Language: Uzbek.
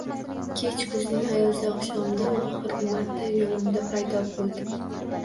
Kech kuzning ayozli oqshomida u oxirgi marta yo`limda paydo bo`ldi